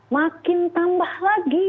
makin tambah lagi